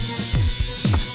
tujuh dua bulan